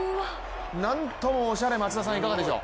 なんともオシャレ、松田さんいかがでしょう。